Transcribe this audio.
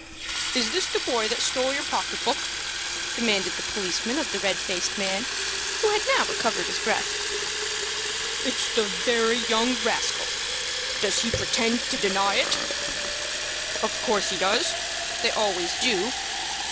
"Is this the boy that stole your pocket book?" demanded the policeman of the red faced man, who had now recovered his breath. "It's the very young rascal. Does he pretend to deny it?" "Of course he does. They always do."